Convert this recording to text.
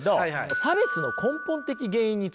差別の根本的原因についてね